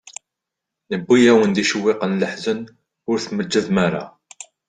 Newwi-awen-d icewwiqen n leḥzen, ur tmeǧǧdem ara.